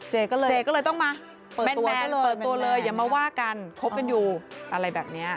เจก็เลยต้องมาเปิดแมนเปิดตัวเลยอย่ามาว่ากันคบกันอยู่อะไรแบบนี้